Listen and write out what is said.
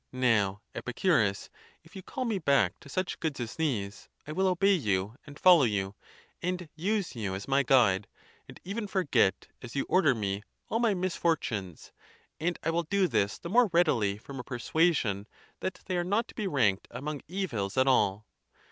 Now, Epicurus, if you call me back to such goods as these, I will obey you, and follow you, and use you as my guide, and even forget, as you order me, all my mis fortunes; and I will do this the more readily from a per suasion that they are not to be ranked among evils at all.